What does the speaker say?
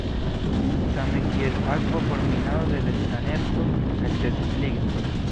Same kiel akvo por minado de la stan-erco necesis ligno.